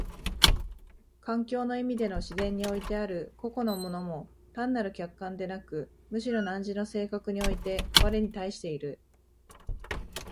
環境の意味での自然においてある個々の物も単なる客観でなく、むしろ汝の性格において我に対している。